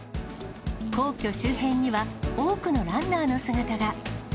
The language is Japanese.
皇居周辺には、多くのランナーの姿が。